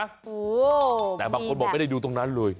โอ้โหแต่บางคนบอกไม่ได้ดูตรงนั้นเลย